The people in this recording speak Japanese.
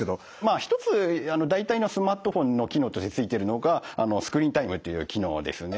一つ大体のスマートフォンの機能としてついているのがスクリーンタイムっていう機能ですね。